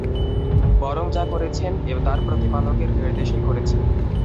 বরং যা করেছেন তাঁর প্রতিপালকের নির্দেশেই করেছেন।